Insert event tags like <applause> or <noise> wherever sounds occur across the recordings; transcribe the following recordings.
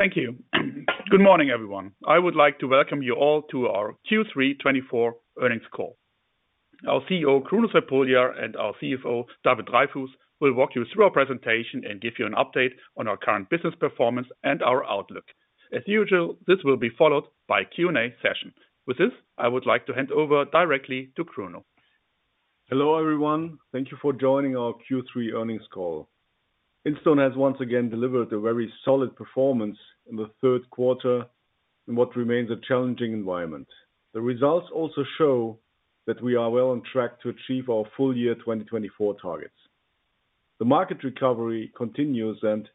Thank you. Good morning, everyone. I would like to welcome you all to our Q3 2024 earnings call. Our CEO, Kruno Crepulja, and our CFO, David Dreyfus, will walk you through our presentation and give you an update on our current business performance and our outlook. As usual, this will be followed by a Q&A session. With this, I would like to hand over directly to Kruno. Hello, everyone. Thank you for joining our Q3 earnings call. Instone has once again delivered a very solid performance in the third quarter in what remains a challenging environment. The results also show that we are well on track to achieve our full-year 2024 targets. The market recovery continues, and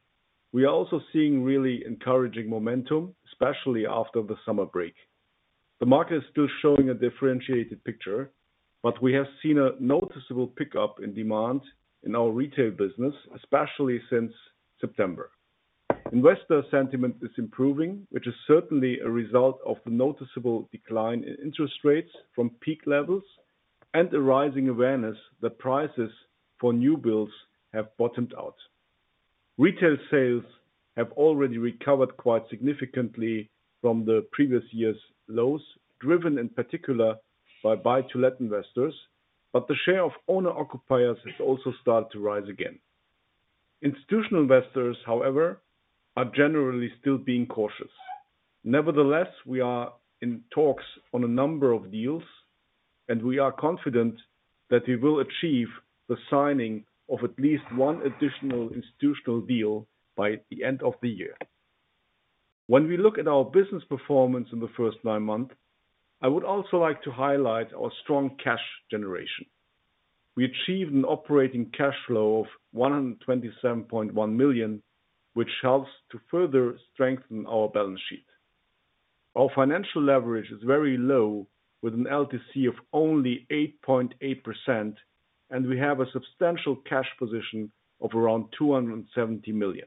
we are also seeing really encouraging momentum, especially after the summer break. The market is still showing a differentiated picture, but we have seen a noticeable pickup in demand in our retail business, especially since September. Investor sentiment is improving, which is certainly a result of the noticeable decline in interest rates from peak levels and a rising awareness that prices for new builds have bottomed out. Retail sales have already recovered quite significantly from the previous year's lows, driven in particular by buy-to-let investors, but the share of owner-occupiers has also started to rise again. Institutional investors, however, are generally still being cautious. Nevertheless, we are in talks on a number of deals, and we are confident that we will achieve the signing of at least one additional institutional deal by the end of the year. When we look at our business performance in the first nine months, I would also like to highlight our strong cash generation. We achieved an operating cash flow of 127.1 million, which helps to further strengthen our balance sheet. Our financial leverage is very low, with an LTC of only 8.8%, and we have a substantial cash position of around 270 million.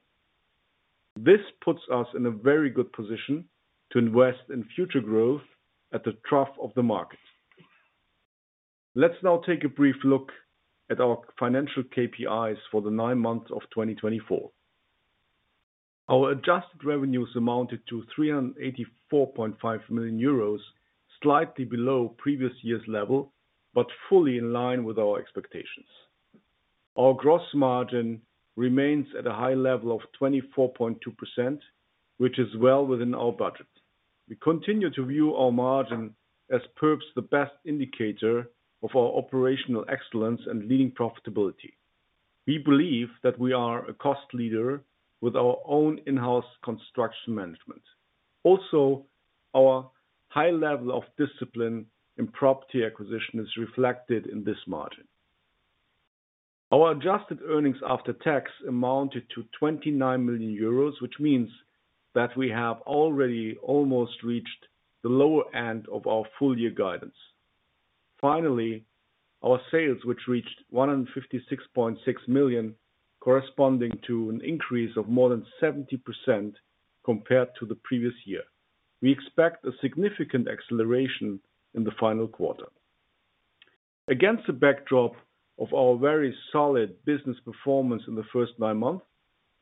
This puts us in a very good position to invest in future growth at the trough of the market. Let's now take a brief look at our financial KPIs for the nine months of 2024. Our adjusted revenues amounted to 384.5 million euros, slightly below previous year's level, but fully in line with our expectations. Our gross margin remains at a high level of 24.2%, which is well within our budget. We continue to view our margin as perhaps the best indicator of our operational excellence and leading profitability. We believe that we are a cost leader with our own in-house construction management. Also, our high level of discipline in property acquisition is reflected in this margin. Our adjusted earnings after tax amounted to 29 million euros, which means that we have already almost reached the lower end of our full year guidance. Finally, our sales, which reached 156.6 million, corresponding to an increase of more than 70% compared to the previous year. We expect a significant acceleration in the final quarter. Against the backdrop of our very solid business performance in the first nine months,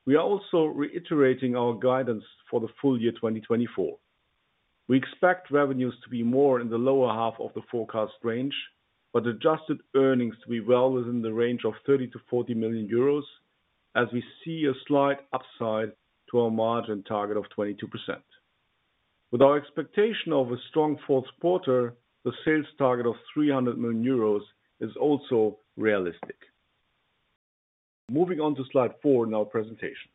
we are also reiterating our guidance for the full year 2024. We expect revenues to be more in the lower half of the forecast range, but adjusted earnings to be well within the range of 30-40 million euros, as we see a slight upside to our margin target of 22%. With our expectation of a strong fourth quarter, the sales target of 300 million euros is also realistic. Moving on to slide four in our presentation.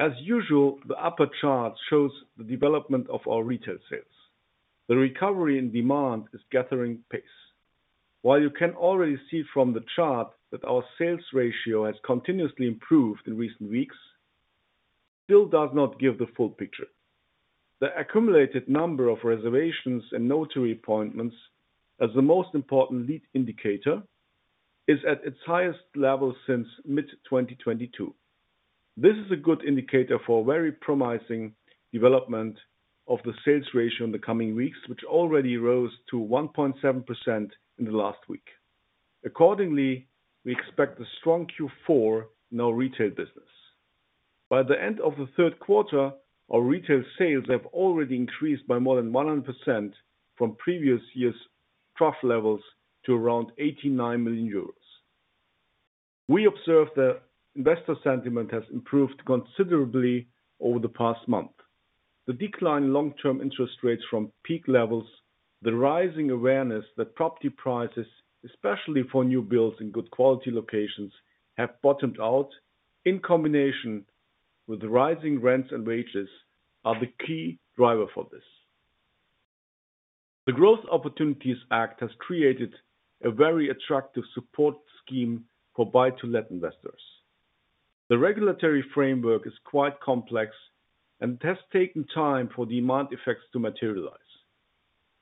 As usual, the upper chart shows the development of our retail sales. The recovery in demand is gathering pace. While you can already see from the chart that our sales ratio has continuously improved in recent weeks, it still does not give the full picture. The accumulated number of reservations and notary appointments as the most important lead indicator is at its highest level since mid-2022. This is a good indicator for a very promising development of the sales ratio in the coming weeks, which already rose to 1.7% in the last week. Accordingly, we expect a strong Q4 in our retail business. By the end of the third quarter, our retail sales have already increased by more than 100% from previous year's trough levels to around 89 million euros. We observe that investor sentiment has improved considerably over the past month. The decline in long-term interest rates from peak levels, the rising awareness that property prices, especially for new builds in good quality locations, have bottomed out, in combination with rising rents and wages, are the key driver for this. The Growth Opportunities Act has created a very attractive support scheme for buy-to-let investors. The regulatory framework is quite complex, and it has taken time for demand effects to materialize,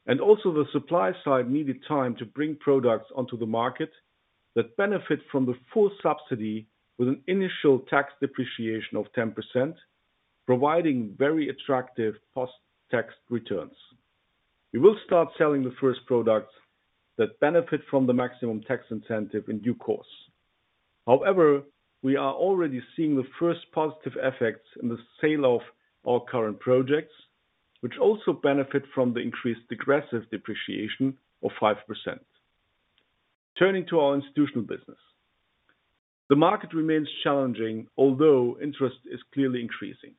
and also, the supply side needed time to bring products onto the market that benefit from the full subsidy with an initial tax depreciation of 10%, providing very attractive post-tax returns. We will start selling the first products that benefit from the maximum tax incentive in due course. However, we are already seeing the first positive effects in the sale of our current projects, which also benefit from the increased aggressive depreciation of 5%. Turning to our institutional business, the market remains challenging, although interest is clearly increasing.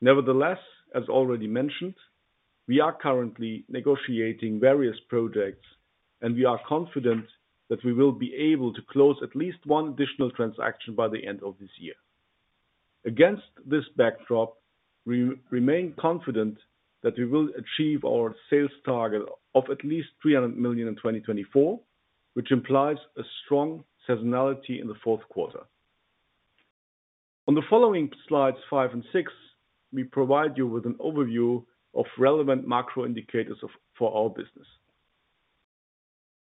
Nevertheless, as already mentioned, we are currently negotiating various projects, and we are confident that we will be able to close at least one additional transaction by the end of this year. Against this backdrop, we remain confident that we will achieve our sales target of at least 300 million in 2024, which implies a strong seasonality in the fourth quarter. On the following slides, five and six, we provide you with an overview of relevant macro indicators for our business.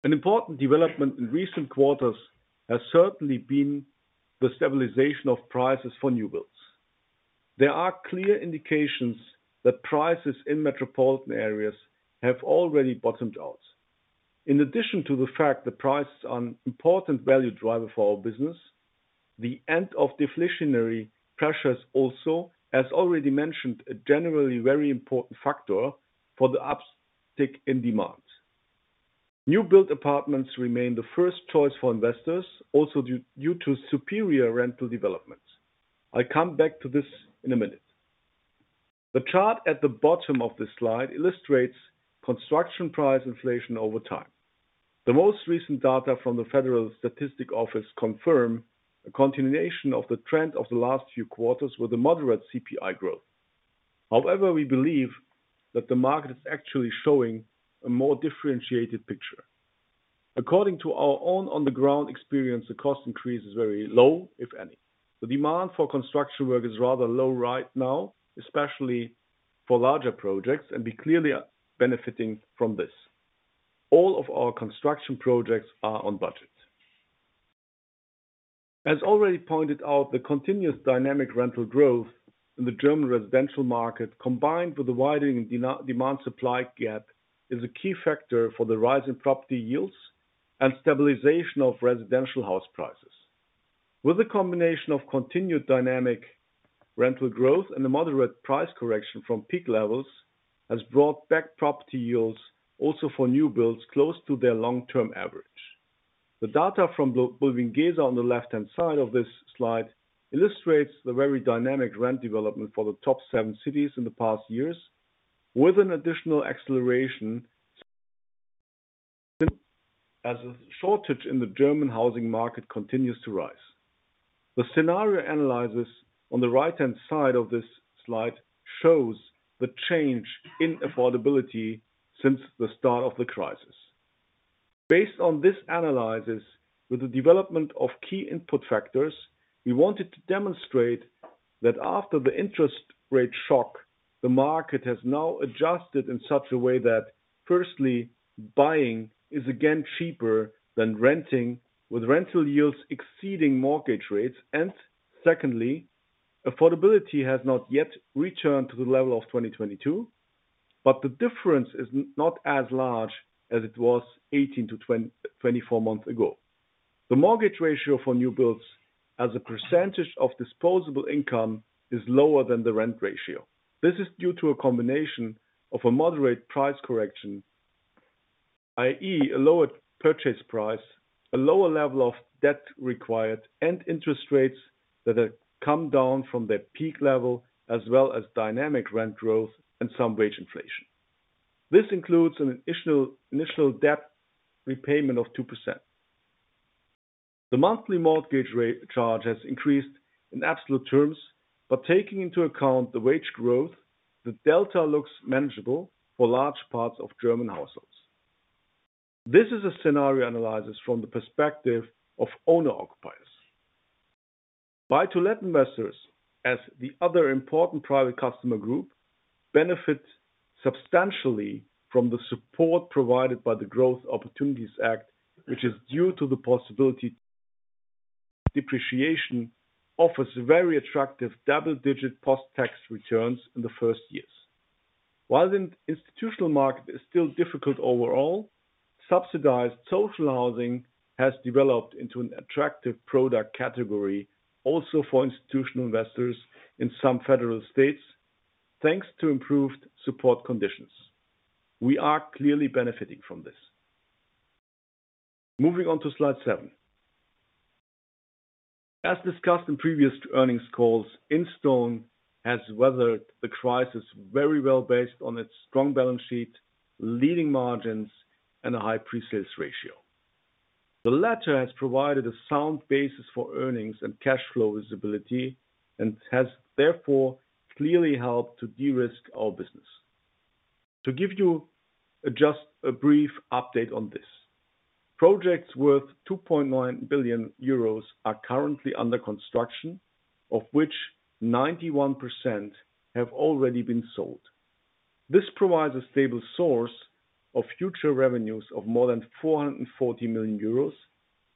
An important development in recent quarters has certainly been the stabilization of prices for new builds. There are clear indications that prices in metropolitan areas have already bottomed out. In addition to the fact that prices are an important value driver for our business, the end of deflationary pressures also, as already mentioned, a generally very important factor for the uptick in demand. New build apartments remain the first choice for investors, also due to superior rental developments. I'll come back to this in a minute. The chart at the bottom of this slide illustrates construction price inflation over time. The most recent data from the Federal Statistics Office confirm a continuation of the trend of the last few quarters with a moderate CPI growth. However, we believe that the market is actually showing a more differentiated picture. According to our own on-the-ground experience, the cost increase is very low, if any. The demand for construction work is rather low right now, especially for larger projects, and we clearly are benefiting from this. All of our construction projects are on budget. As already pointed out, the continuous dynamic rental growth in the German residential market, combined with the widening demand-supply gap, is a key factor for the rising property yields and stabilization of residential house prices. With the combination of continued dynamic rental growth and a moderate price correction from peak levels, it has brought back property yields also for new builds close to their long-term average. The data from bulwiengesa on the left-hand side of this slide illustrates the very dynamic rent development for the top seven cities in the past years, with an additional acceleration as the shortage in the German housing market continues to rise. The scenario analysis on the right-hand side of this slide shows the change in affordability since the start of the crisis. Based on this analysis, with the development of key input factors, we wanted to demonstrate that after the interest rate shock, the market has now adjusted in such a way that, firstly, buying is again cheaper than renting, with rental yields exceeding mortgage rates, and secondly, affordability has not yet returned to the level of 2022, but the difference is not as large as it was 18 to 24 months ago. The mortgage ratio for new builds as a percentage of disposable income is lower than the rent ratio. This is due to a combination of a moderate price correction, i.e., a lower purchase price, a lower level of debt required, and interest rates that have come down from their peak level, as well as dynamic rent growth and some wage inflation. This includes an initial debt repayment of 2%. The monthly mortgage rate charge has increased in absolute terms, but taking into account the wage growth, the delta looks manageable for large parts of German households. This is a scenario analysis from the perspective of owner-occupiers. Buy-to-let investors, as the other important private customer group, benefit substantially from the support provided by the Growth Opportunities Act, which is due to the possibility of depreciation, offers very attractive double-digit post-tax returns in the first years. While the institutional market is still difficult overall, subsidized social housing has developed into an attractive product category also for institutional investors in some federal states, thanks to improved support conditions. We are clearly benefiting from this. Moving on to slide seven. As discussed in previous earnings calls, Instone has weathered the crisis very well based on its strong balance sheet, leading margins, and a high pre-sales ratio. The latter has provided a sound basis for earnings and cash flow visibility and has therefore clearly helped to de-risk our business. To give you just a brief update on this, projects worth 2.9 billion euros are currently under construction, of which 91% have already been sold. This provides a stable source of future revenues of more than 440 million euros,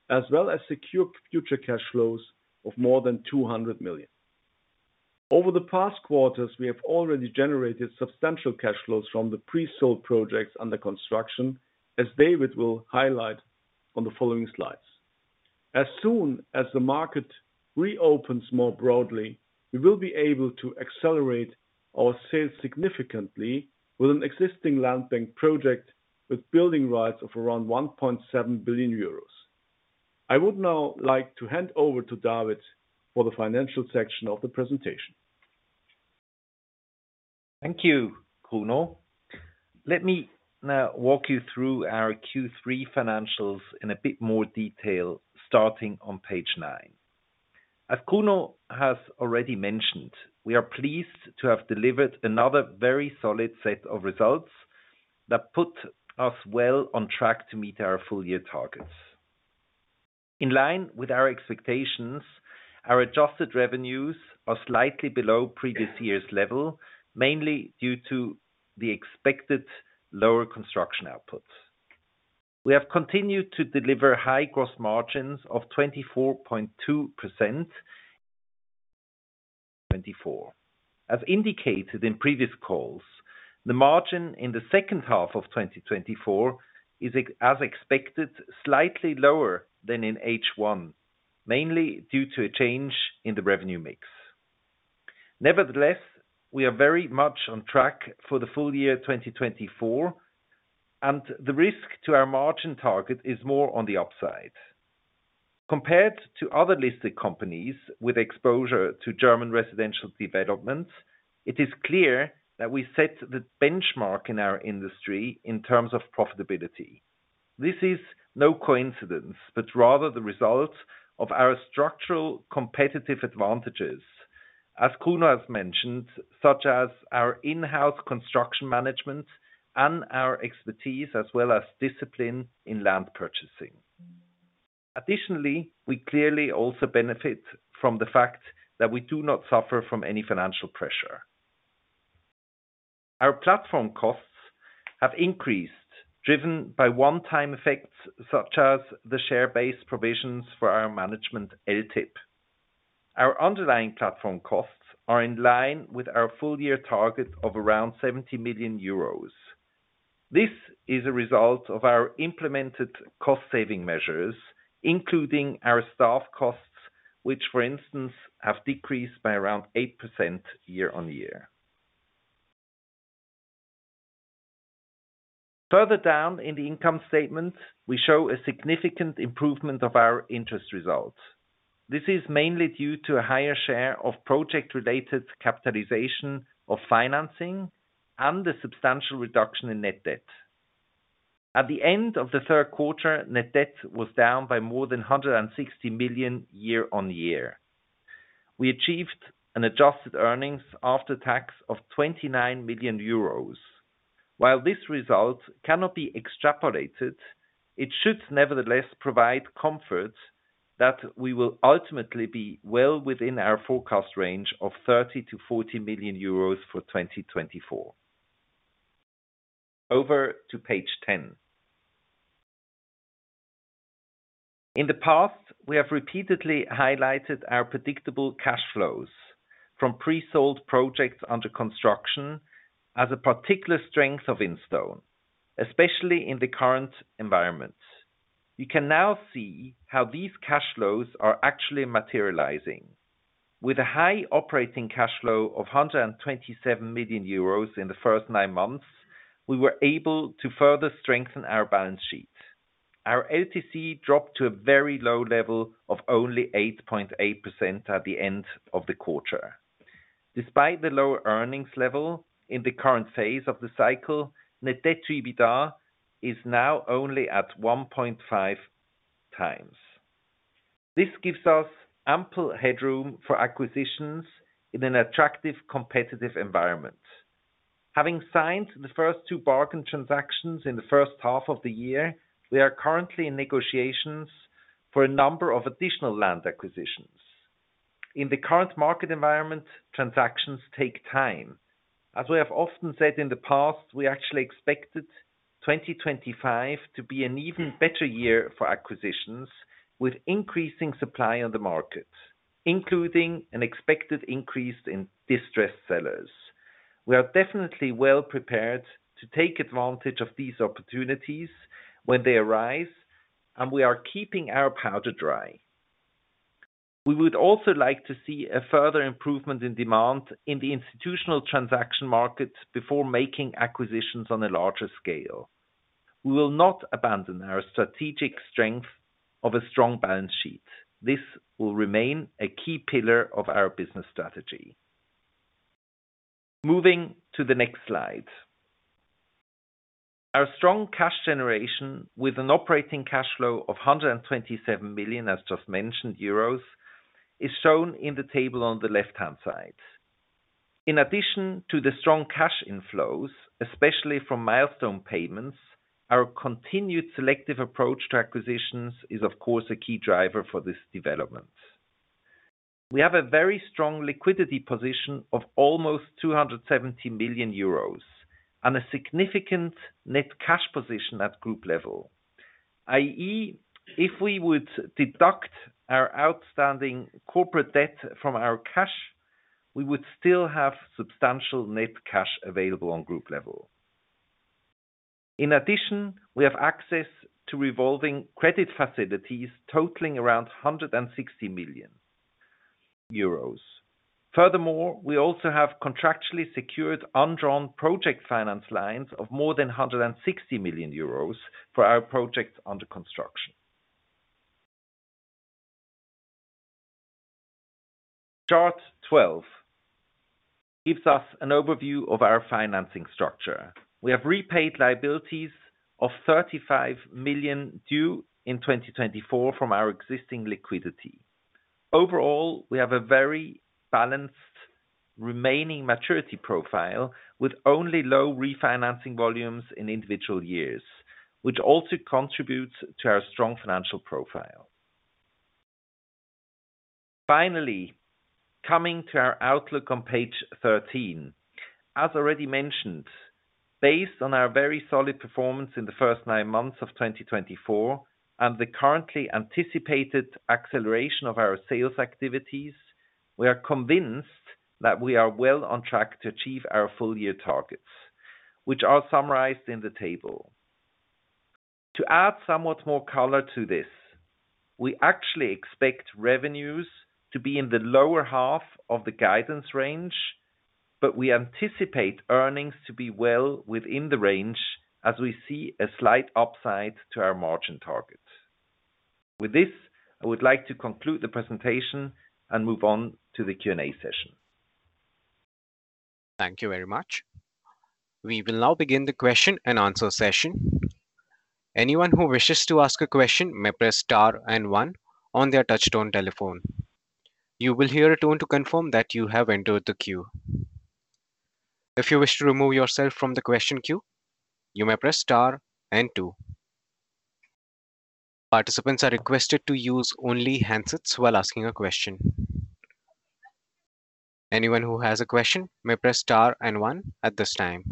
as well as secure future cash flows of more than 200 million. Over the past quarters, we have already generated substantial cash flows from the pre-sold projects under construction, as David will highlight on the following slides. As soon as the market reopens more broadly, we will be able to accelerate our sales significantly with an existing land bank project with building rights of around 1.7 billion euros. I would now like to hand over to David for the financial section of the presentation. Thank you, Kruno. Let me now walk you through our Q3 financials in a bit more detail, starting on page nine. As Kruno has already mentioned, we are pleased to have delivered another very solid set of results that put us well on track to meet our full-year targets. In line with our expectations, our adjusted revenues are slightly below previous year's level, mainly due to the expected lower construction output. We have continued to deliver high gross margins of 24.2% in 2024. As indicated in previous calls, the margin in the second half of 2024 is, as expected, slightly lower than in H1, mainly due to a change in the revenue mix. Nevertheless, we are very much on track for the full-year 2024, and the risk to our margin target is more on the upside. Compared to other listed companies with exposure to German residential developments, it is clear that we set the benchmark in our industry in terms of profitability. This is no coincidence, but rather the result of our structural competitive advantages, as Kruno has mentioned, such as our in-house construction management and our expertise, as well as discipline in land purchasing. Additionally, we clearly also benefit from the fact that we do not suffer from any financial pressure. Our platform costs have increased, driven by one-time effects such as the share-based provisions for our management LTIP. Our underlying platform costs are in line with our full year target of around 70 million euros. This is a result of our implemented cost-saving measures, including our staff costs, which, for instance, have decreased by around 8% year-on-year. Further down in the income statement, we show a significant improvement of our interest results. This is mainly due to a higher share of project-related capitalization of financing and the substantial reduction in net debt. At the end of the third quarter, net debt was down by more than 160 million EUR year-on-year. We achieved an adjusted earnings after tax of 29 million euros. While this result cannot be extrapolated, it should nevertheless provide comfort that we will ultimately be well within our forecast range of 30-40 million euros for 2024. Over to page ten. In the past, we have repeatedly highlighted our predictable cash flows from pre-sold projects under construction as a particular strength of Instone, especially in the current environment. You can now see how these cash flows are actually materializing. With a high operating cash flow of 127 million euros in the first nine months, we were able to further strengthen our balance sheet. Our LTC dropped to a very low level of only 8.8% at the end of the quarter. Despite the low earnings level in the current phase of the cycle, net debt to EBITDA is now only at 1.5 times. This gives us ample headroom for acquisitions in an attractive competitive environment. Having signed the first two bargain transactions in the first half of the year, we are currently in negotiations for a number of additional land acquisitions. In the current market environment, transactions take time. As we have often said in the past, we actually expected 2025 to be an even better year for acquisitions with increasing supply on the market, including an expected increase in distressed sellers. We are definitely well prepared to take advantage of these opportunities when they arise, and we are keeping our powder dry. We would also like to see a further improvement in demand in the institutional transaction market before making acquisitions on a larger scale. We will not abandon our strategic strength of a strong balance sheet. This will remain a key pillar of our business strategy. Moving to the next slide. Our strong cash generation with an operating cash flow of 127 million, as just mentioned, is shown in the table on the left-hand side. In addition to the strong cash inflows, especially from milestone payments, our continued selective approach to acquisitions is, of course, a key driver for this development. We have a very strong liquidity position of almost 270 million euros and a significant net cash position at group level, i.e., if we would deduct our outstanding corporate debt from our cash, we would still have substantial net cash available on group level. In addition, we have access to revolving credit facilities totaling around 160 million euros. Furthermore, we also have contractually secured undrawn project finance lines of more than 160 million euros for our projects under construction. Chart 12 gives us an overview of our financing structure. We have repaid liabilities of 35 million due in 2024 from our existing liquidity. Overall, we have a very balanced remaining maturity profile with only low refinancing volumes in individual years, which also contributes to our strong financial profile. Finally, coming to our outlook on page 13, as already mentioned, based on our very solid performance in the first nine months of 2024 and the currently anticipated acceleration of our sales activities, we are convinced that we are well on track to achieve our full-year targets, which are summarized in the table. To add somewhat more color to this, we actually expect revenues to be in the lower half of the guidance range, but we anticipate earnings to be well within the range as we see a slight upside to our margin target. With this, I would like to conclude the presentation and move on to the Q&A session. Thank you very much. We will now begin the question and answer session. Anyone who wishes to ask a question may press star and one on their touch-tone telephone. You will hear a tone to confirm that you have entered the queue. If you wish to remove yourself from the question queue, you may press star and two. Participants are requested to use only handsets while asking a question. Anyone who has a question may press star and one at this time.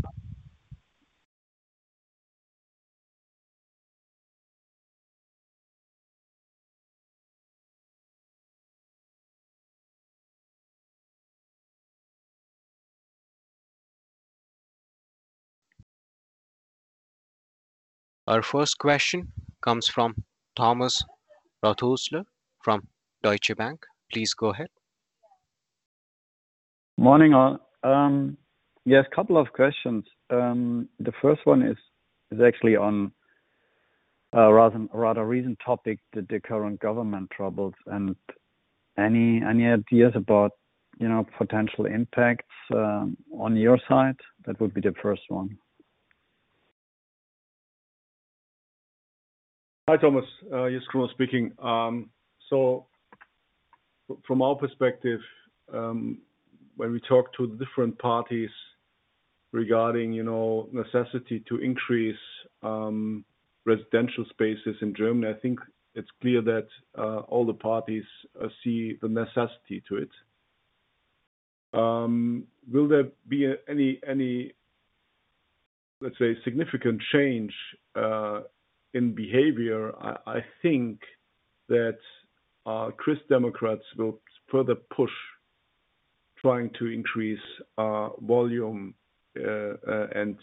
Our first question comes from Thomas Rothaeusler from Deutsche Bank. Please go ahead. Morning all. Yes, a couple of questions. The first one is actually on a rather recent topic, the current government troubles, and any ideas about potential impacts on your side? That would be the first one. Hi, Thomas, it's Kruno speaking. So from our perspective, when we talk to the different parties regarding necessity to increase residential spaces in Germany, I think it's clear that all the parties see the necessity to it. Will there be any, let's say, significant change in behavior? I think that Christian Democrats will further push trying to increase volume and,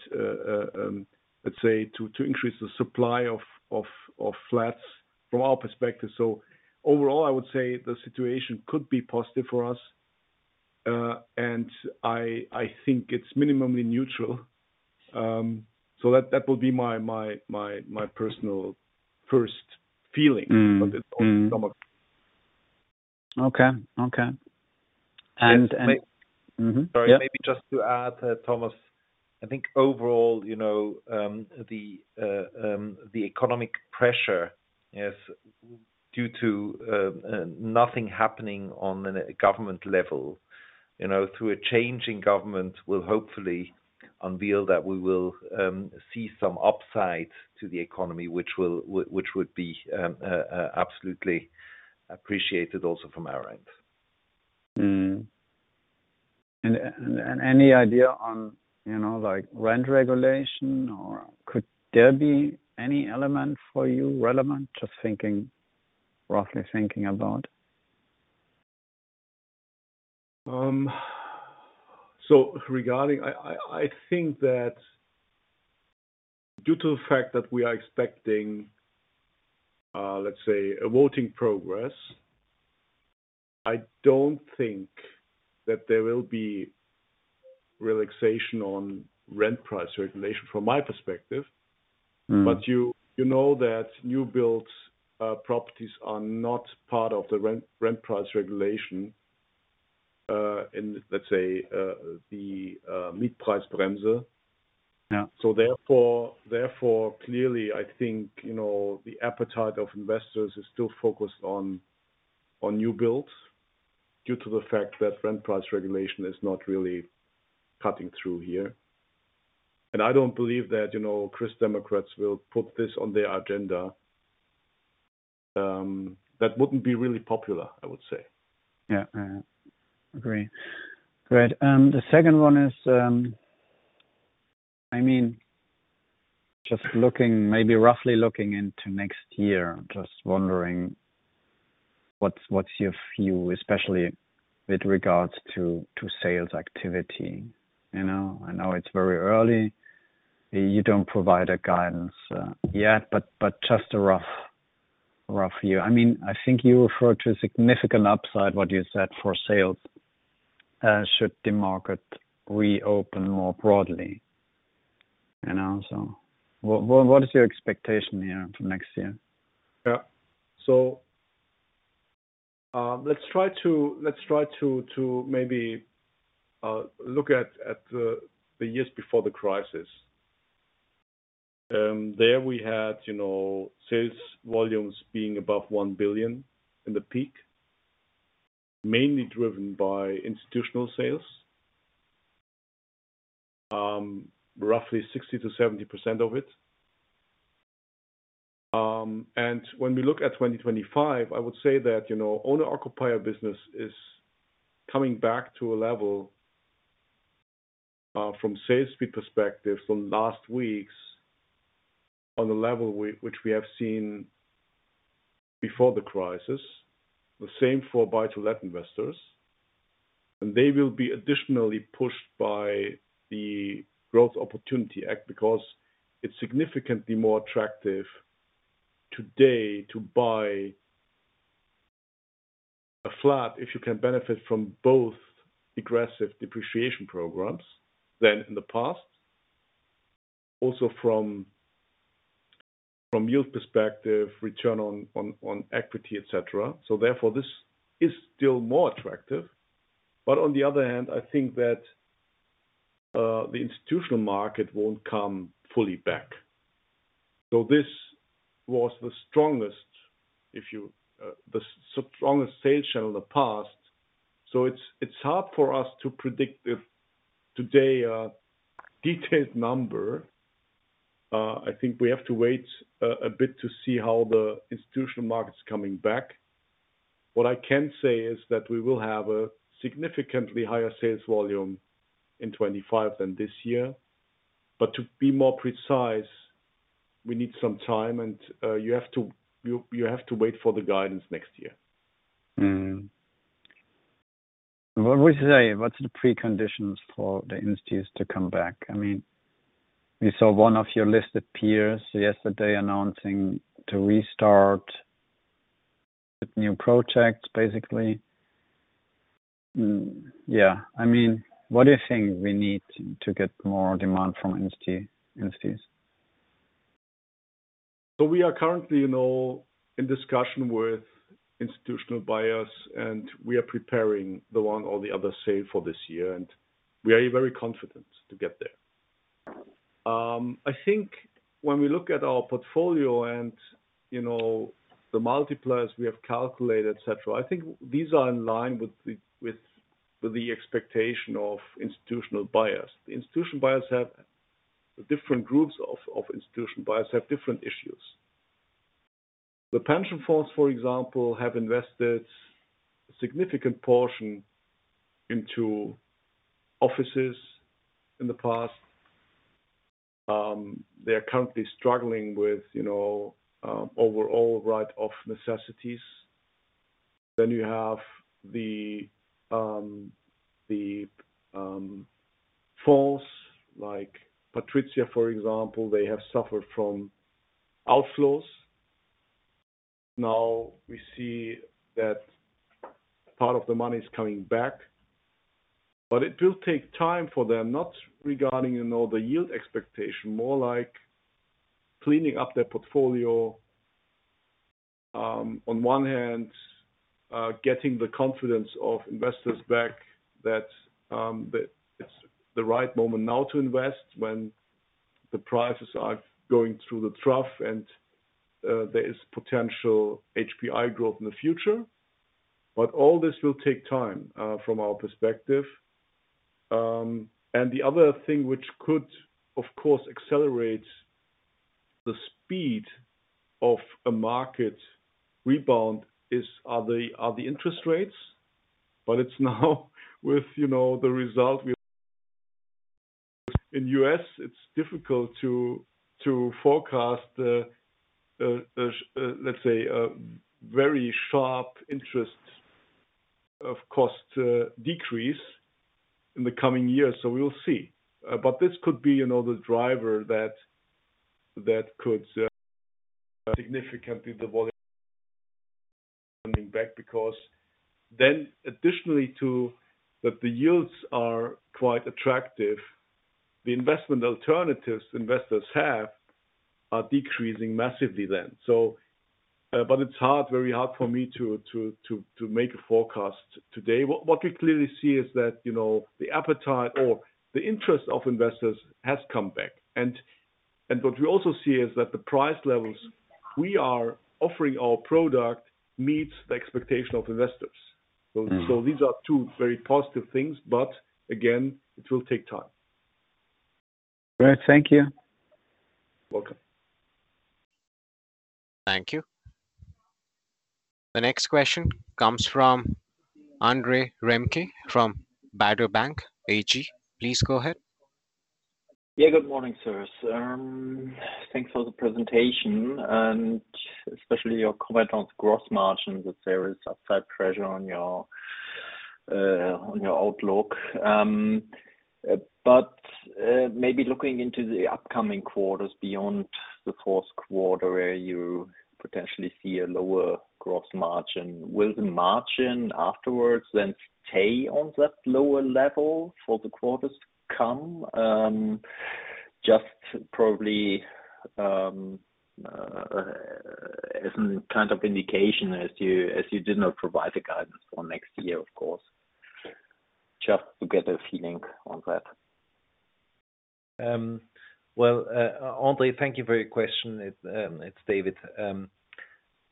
let's say, to increase the supply of flats from our perspective. So overall, I would say the situation could be positive for us, and I think it's minimally neutral. So that would be my personal first feeling. Okay. Okay. Maybe just to add, Thomas, I think overall, the economic pressure, yes, due to nothing happening on a government level through a changing government will hopefully unveil that we will see some upside to the economy, which would be absolutely appreciated also from our end. And any idea on rent regulation? Or could there be any element for you relevant, just thinking, roughly thinking about? So regarding, I think that due to the fact that we are expecting, let's say, a voting progress, I don't think that there will be relaxation on rent price regulation from my perspective. But you know that new build properties are not part of the rent price regulation in, let's say, the Mietpreisbremse. So therefore, clearly, I think the appetite of investors is still focused on new builds due to the fact that rent price regulation is not really cutting through here. And I don't believe that Christian Democrats will put this on their agenda. That wouldn't be really popular, I would say. Yeah. Yeah. Agree. Great. The second one is, I mean, just looking, maybe roughly looking into next year, just wondering what's your view, especially with regards to sales activity. I know it's very early. You don't provide a guidance yet, but just a rough view. I mean, I think you referred to a significant upside, what you said for sales. Should the market reopen more broadly? So what is your expectation here for next year? Yeah. So let's try to maybe look at the years before the crisis. There we had sales volumes being above 1 billion in the peak, mainly driven by institutional sales, roughly 60%-70% of it. And when we look at 2025, I would say that owner-occupier business is coming back to a level from salespeople perspective from last weeks on the level which we have seen before the crisis, the same for buy-to-let investors. And they will be additionally pushed by the Growth Opportunities Act because it's significantly more attractive today to buy a flat if you can benefit from both aggressive depreciation programs than in the past, also from yield perspective, return on equity, etc. So therefore, this is still more attractive. But on the other hand, I think that the institutional market won't come fully back. So this was the strongest, if you the strongest sales channel in the past. So it's hard for us to predict today a detailed number. I think we have to wait a bit to see how the institutional market's coming back. What I can say is that we will have a significantly higher sales volume in 2025 than this year. But to be more precise, we need some time, and you have to wait for the guidance next year. What would you say? What's the preconditions for the entities to come back? I mean, we saw one of your listed peers yesterday announcing to restart new projects, basically. Yeah. I mean, what do you think we need to get more demand from entities? So we are currently in discussion with institutional buyers, and we are preparing the one or the other sale for this year, and we are very confident to get there. I think when we look at our portfolio and the multipliers we have calculated, etc., I think these are in line with the expectation of institutional buyers. Different groups of institutional buyers have different issues. The pension funds, for example, have invested a significant portion into offices in the past. They are currently struggling with overall right of necessities. Then you have the funds like PATRIZIA, for example. They have suffered from outflows. Now we see that part of the money is coming back. But it will take time for them, not regarding the yield expectation, more like cleaning up their portfolio. On one hand, getting the confidence of investors back that it's the right moment now to invest when the prices are going through the trough and there is potential HPI growth in the future. But all this will take time from our perspective. And the other thing which could, of course, accelerate the speed of a market rebound are the interest rates. But it's now with the result in the U.S., it's difficult to forecast the, let's say, very sharp interest cost decrease in the coming years. So we will see. But this could be the driver that could significantly be the volume coming back because then additionally to that, the yields are quite attractive. The investment alternatives investors have are decreasing massively then. But it's hard, very hard for me to make a forecast today. What we clearly see is that the appetite or the interest of investors has come back. And what we also see is that the price levels we are offering our product meets the expectation of investors. So these are two very positive things. But again, it will take time. Great. Thank you. Welcome. Thank you. The next question comes from Andre Remke from Baader Bank AG. Please go ahead. Yeah. Good morning, sir. Thanks for the presentation, and especially your comment on gross margins. There is upside pressure on your outlook. But maybe looking into the upcoming quarters beyond the fourth quarter where you potentially see a lower gross margin, will the margin afterwards then stay on that lower level for the quarters to come? Just probably as a kind of indication, as you did not provide the guidance for next year, of course, just to get a feeling on that. Andre, thank you for your question. It's David.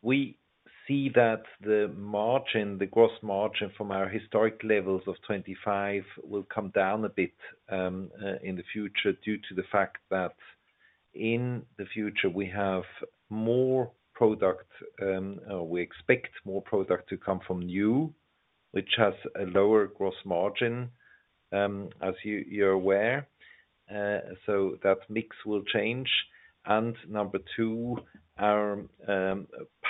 We see that the margin, the gross margin from our historic levels of 2025 will come down a bit in the future due to the fact that in the future we have more product or we expect more product to come from new, which has a lower gross margin, as you're aware. That mix will change. Number two, our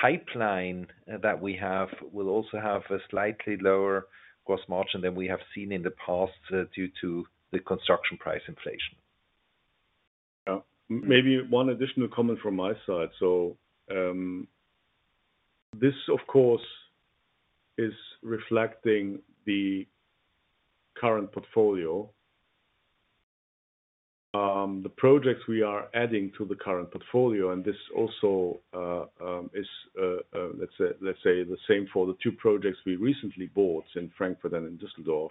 pipeline that we have will also have a slightly lower gross margin than we have seen in the past due to the construction price inflation. Yeah. Maybe one additional comment from my side. This, of course, is reflecting the current portfolio. The projects we are adding to the current portfolio, and this also is, let's say, the same for the two projects we recently bought in Frankfurt and in Düsseldorf,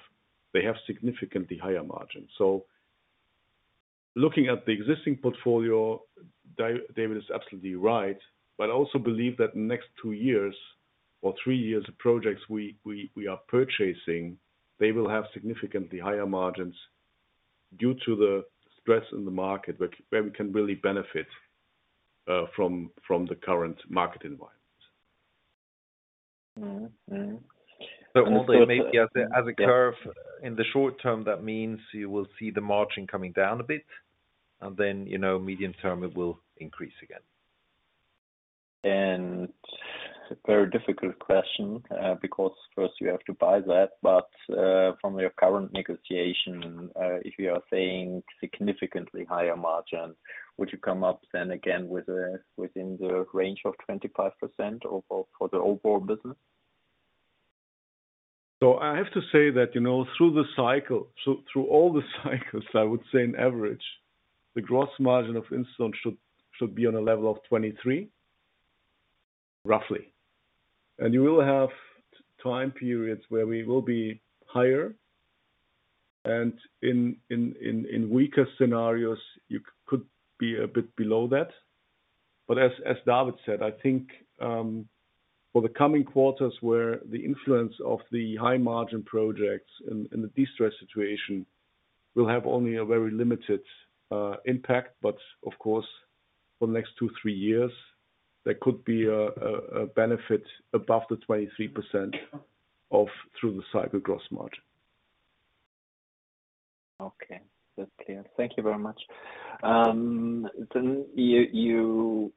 they have significantly higher margins, so looking at the existing portfolio, David is absolutely right, but I also believe that in the next two years or three years, the projects we are purchasing, they will have significantly higher margins due to the stress in the market where we can really benefit from the current market environment, so maybe as a curve in the short term, that means you will see the margin coming down a bit, and then medium term, it will increase again, and it's a very difficult question because first you have to buy that. But from your current negotiation, if you are saying significantly higher margin, would you come up then again within the range of 25% for the overall business? So I have to say that through the cycle, through all the cycles, I would say on average, the gross margin of Instone should be on a level of 23%, roughly. And you will have time periods where we will be higher. And in weaker scenarios, you could be a bit below that. But as David said, I think for the coming quarters where the influence of the high margin projects in the distressed situation will have only a very limited impact. But of course, for the next two, three years, there could be a benefit above the 23% through the cycle gross margin. Okay. That's clear. Thank you very much. Then you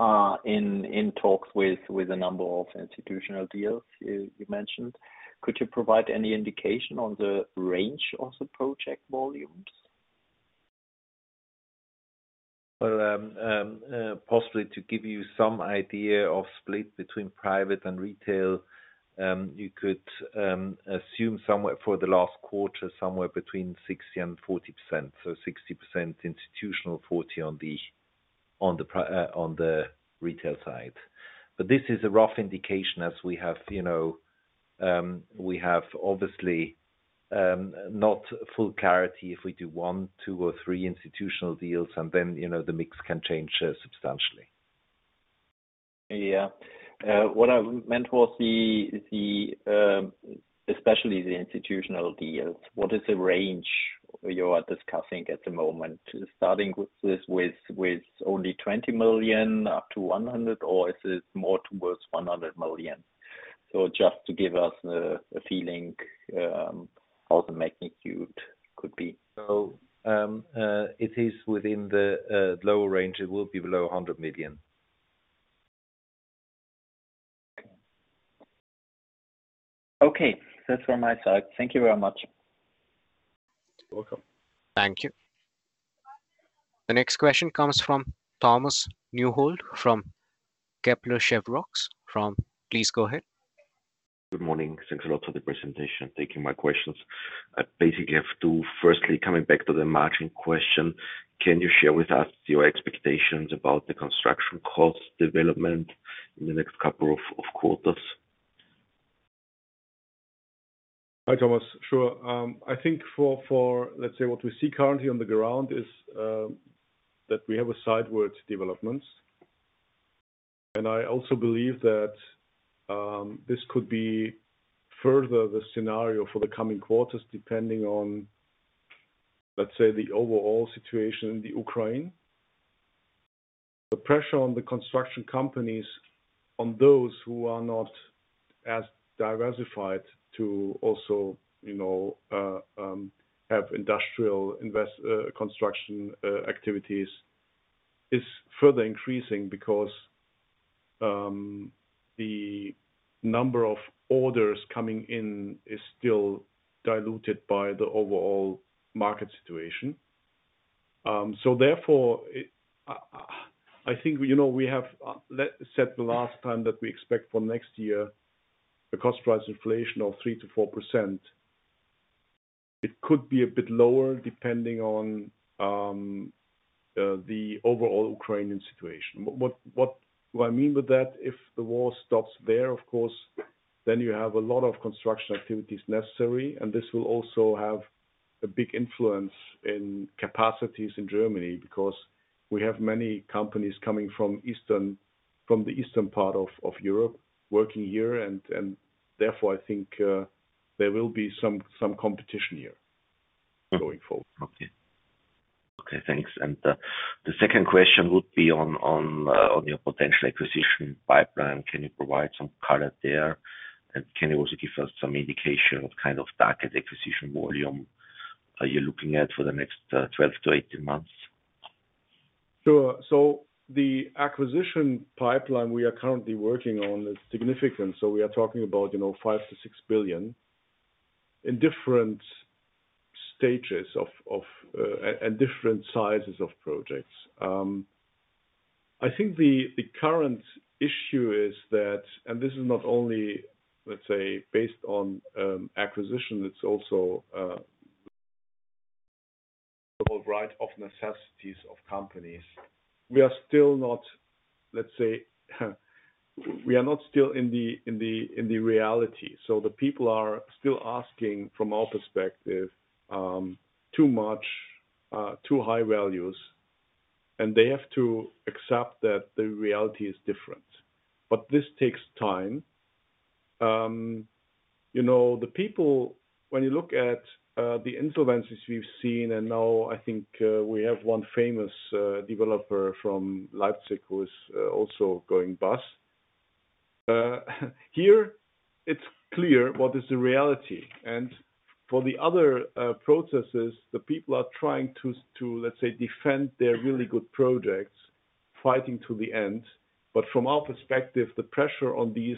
are in talks with a number of institutional deals you mentioned. Could you provide any indication on the range of the project volumes? Well, possibly to give you some idea of split between private and retail, you could assume somewhere for the last quarter, somewhere between 60% and 40%. So 60% institutional, 40% on the retail side. But this is a rough indication as we have obviously not full clarity if we do one, two, or three institutional deals, and then the mix can change substantially. Yeah. What I meant was especially the institutional deals. What is the range you are discussing at the moment? Starting with only 20 million, up to 100 million, or is it more towards 100 million? So just to give us a feeling of the magnitude could be. So it is within the lower range. It will be below 100 million. Okay. Okay. That's from my side. Thank you very much. You're welcome. Thank you. The next question comes from Thomas Neuhold from Kepler Cheuvreux. Please go ahead. Good morning. Thanks a lot for the presentation. Taking my questions. I basically have two. Firstly, coming back to the margin question, can you share with us your expectations about the construction cost development in the next couple of quarters? Hi, Thomas. Sure. I think for, let's say, what we see currently on the ground is that we have a sideward development. And I also believe that this could be further the scenario for the coming quarters depending on, let's say, the overall situation in Ukraine. The pressure on the construction companies, on those who are not as diversified to also have industrial construction activities, is further increasing because the number of orders coming in is still diluted by the overall market situation. So therefore, I think we have said the last time that we expect for next year a cost price inflation of 3%-4%. It could be a bit lower depending on the overall Ukrainian situation. What do I mean with that? If the war stops there, of course, then you have a lot of construction activities necessary. And this will also have a big influence in capacities in Germany because we have many companies coming from the eastern part of Europe working here. And therefore, I think there will be some competition here going forward. Okay. Okay. Thanks. And the second question would be on your potential acquisition pipeline. Can you provide some color there? And can you also give us some indication of what kind of target acquisition volume are you looking at for the next 12-18 months? Sure. So the acquisition pipeline we are currently working on is significant. So we are talking about 5-6 billion in different stages and different sizes of projects. I think the current issue is that, and this is not only, let's say, based on acquisition, it's also right of necessities of companies. We are still not, let's say, we are not still in the reality. So the people are still asking from our perspective too much, too high values. And they have to accept that the reality is different. But this takes time. The people, when you look at the influences we've seen, and now I think we have one famous developer from Leipzig who is also going bust. Here, it's clear what is the reality. And for the other processes, the people are trying to, let's say, defend their really good projects, fighting to the end. But from our perspective, the pressure on these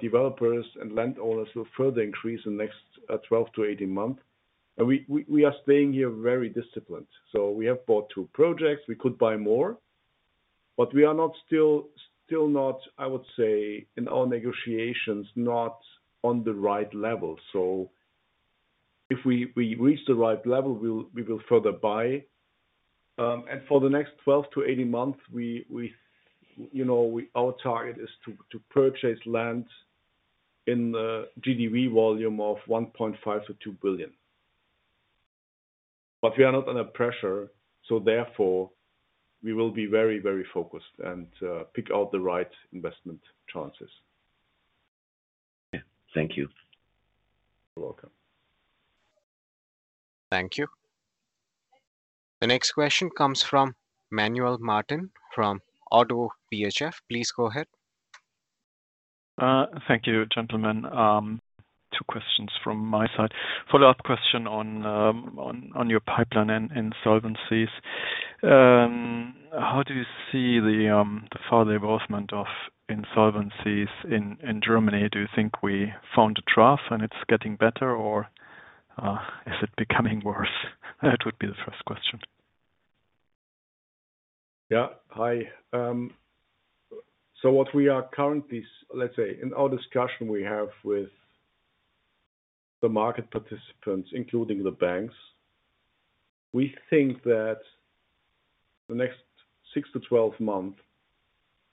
developers and landowners will further increase in the next 12 to 18 months. and we are staying here very disciplined. so we have bought two projects. We could buy more. but we are still not, I would say, in our negotiations, not on the right level. so if we reach the right level, we will further buy. and for the next 12 to 18 months, our target is to purchase land in GDV volume of 1.5-2 billion. but we are not under pressure. so therefore, we will be very, very focused and pick out the right investment chances. Okay. Thank you. You're welcome. Thank you. The next question comes from Manuel Martin from ODDO BHF. Please go ahead. Thank you, gentlemen. Two questions from my side. Follow-up question on your pipeline and insolvencies. How do you see the further involvement of insolvencies in Germany? Do you think we found a trough and it's getting better, or is it becoming worse? That would be the first question. Yeah. Hi. So what we are currently, let's say, in our discussion we have with the market participants, including the banks, we think that the next six to 12 months,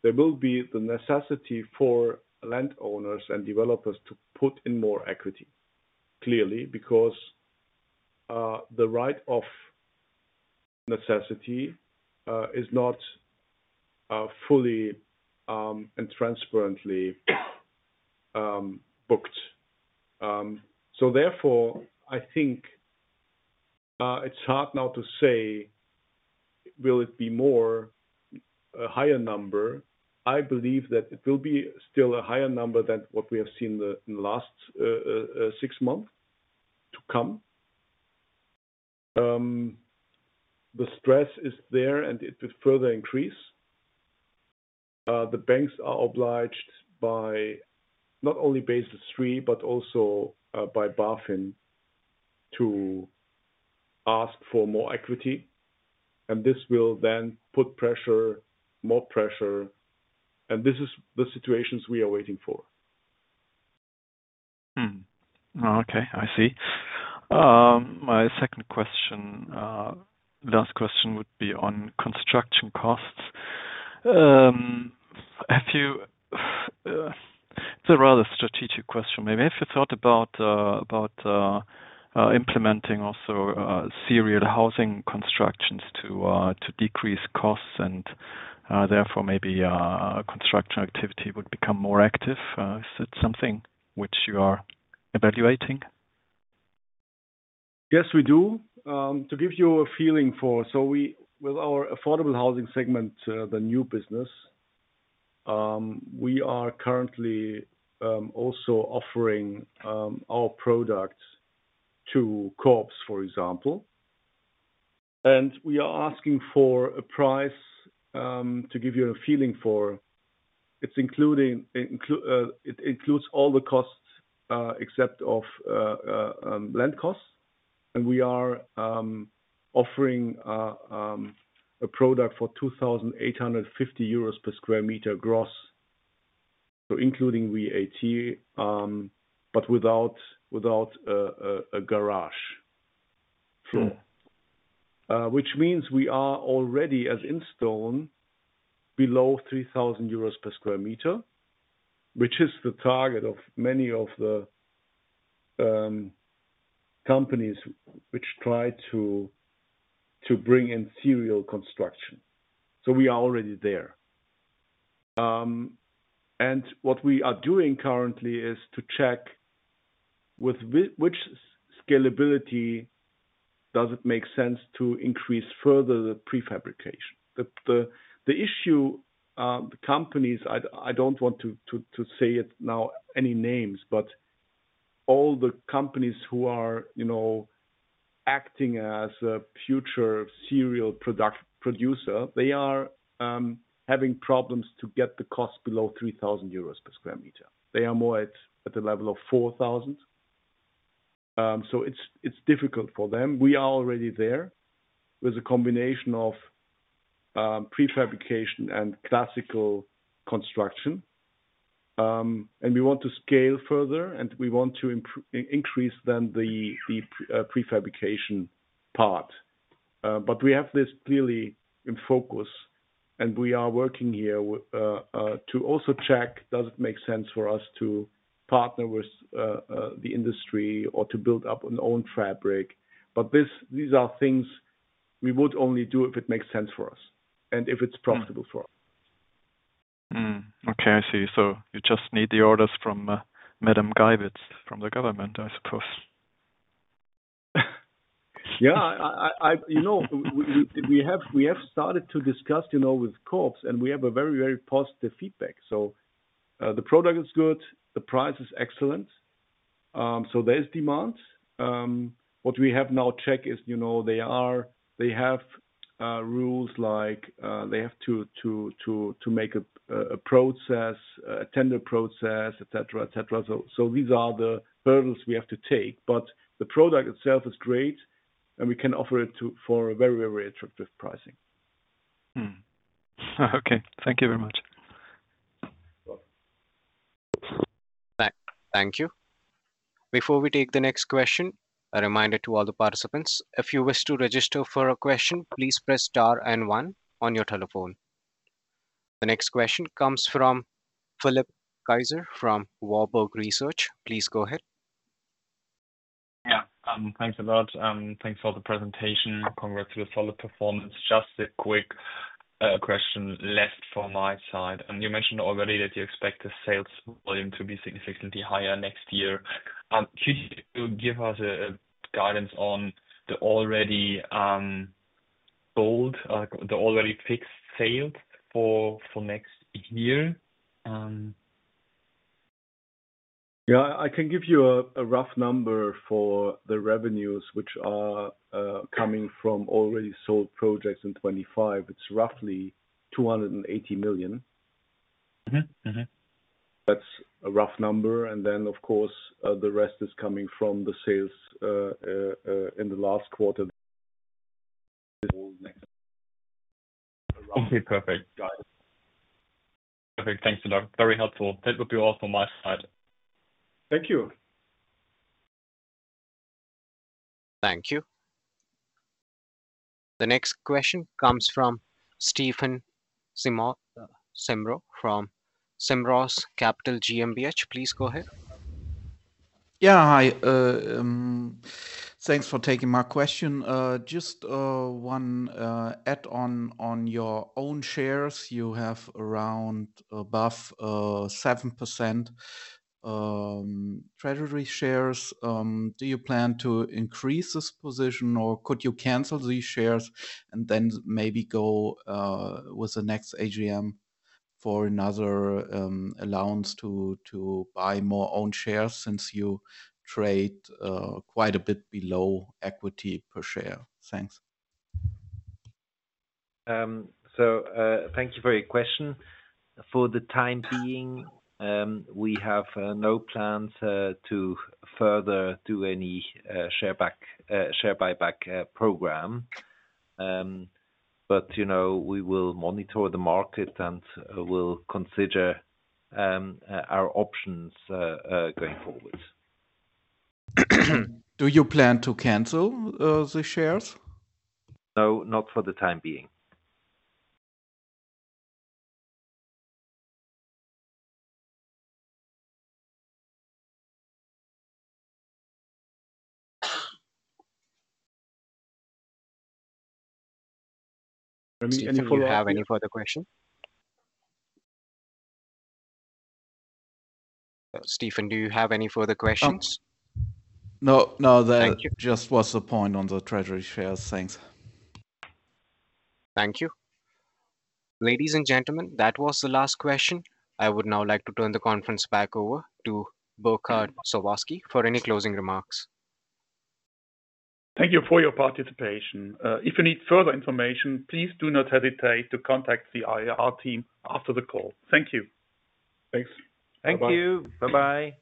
there will be the necessity for landowners and developers to put in more equity, clearly, because the right of necessity is not fully and transparently booked. So therefore, I think it's hard now to say, will it be a higher number? I believe that it will be still a higher number than what we have seen in the last six months to come. The stress is there, and it will further increase. The banks are obliged by not only Basel III, but also by BaFin to ask for more equity. This will then put more pressure. This is the situation we are waiting for. Okay. I see. My second question, last question would be on construction costs. It's a rather strategic question. Maybe have you thought about implementing also serial housing construction to decrease costs and therefore maybe construction activity would become more active? Is that something which you are evaluating? Yes, we do. To give you a feeling for, so with our affordable housing segment, the new business, we are currently also offering our products to co-ops, for example. We are asking for a price to give you a feeling for it includes all the costs except of land costs. We are offering a product for 2,850 euros per sq m gross, so including VAT, but without a garage floor, which means we are already as Instone below 3,000 euros per sq m, which is the target of many of the companies which try to bring in serial construction. So we are already there. And what we are doing currently is to check with which scalability does it make sense to increase further the prefabrication. The issue, the companies, I don't want to say now any names, but all the companies who are acting as a future serial producer, they are having problems to get the cost below 3,000 euros per sq m. They are more at the level of 4,000. So it's difficult for them. We are already there with a combination of prefabrication and classical construction. We want to scale further, and we want to increase then the prefabrication part. But we have this clearly in focus, and we are working here to also check, does it make sense for us to partner with the industry or to build up an own factory? But these are things we would only do if it makes sense for us and if it's profitable for us. Okay. I see. So you just need the orders from Madame Geywitz from the government, I suppose. Yeah. We have started to discuss with corps, and we have very, very positive feedback. So the product is good. The price is excellent. So there's demand. What we have now checked is they have rules like they have to make a process, a tender process, etc., etc. So these are the hurdles we have to take. But the product itself is great, and we can offer it for very, very attractive pricing. Okay. Thank you very much. Thank you. Before we take the next question, a reminder to all the participants. If you wish to register for a question, please press star and one on your telephone. The next question comes from Philipp Kaiser from Warburg Research. Please go ahead. Yeah. Thanks a lot. Thanks for the presentation. Congrats with solid performance. Just a quick question left for my side. And you mentioned already that you expect the sales volume to be significantly higher next year. Could you give us guidance on the already sold, the already fixed sales for next year? Yeah. I can give you a rough number for the revenues which are coming from already sold projects in 2025. It's roughly 280 million. That's a rough number. And then, of course, the rest is coming from the sales in the last quarter. <inaudible> Very helpful. That would be all from my side. Thank you. Thank you. The next question comes from Stephen Simmroß from Simmross Capital GmbH. Please go ahead. Yeah. Hi. Thanks for taking my question. Just one add-on on your own shares. You have around above 7% treasury shares. Do you plan to increase this position, or could you cancel these shares and then maybe go with the next AGM for another allowance to buy more own shares since you trade quite a bit below equity per share? Thanks. So thank you for your question. For the time being, we have no plans to further do any share buyback program. But we will monitor the market and will consider our options going forward. Do you plan to cancel the shares? No, not for the time being. Do you have any further questions? Stephen, do you have any further questions? No. No. That just was a point on the treasury shares. Thanks. Thank you. Ladies and gentlemen, that was the last question. I would now like to turn the conference back over to Burkhard Sawazki for any closing remarks. Thank you for your participation. If you need further information, please do not hesitate to contact the IRR team after the call. Thank you. Thanks. Thank you. Bye-bye.